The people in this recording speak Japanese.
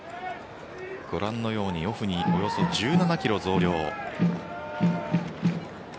ご覧のようにオフでおよそ１７ｋｇ増量。